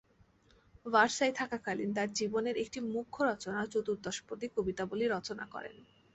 Versailles থাকাকালীন তাঁর জীবনের একটি মুখ্য রচনা চতুর্দশপদী কবিতাবলী রচনা করেন।